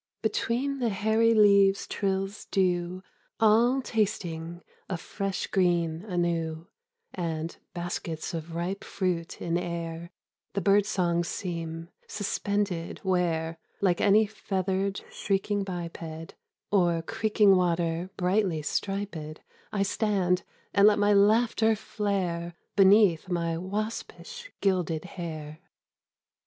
BETWEEN the hairy leaves trills dew All tasting of fresh green anew, And, baskets of ripe fruit in air The bird songs seem, suspended where Like any feathered shrieking biped Or creaking water brightly striped I stand and let my laughter flare Beneath my waspish gilded hair.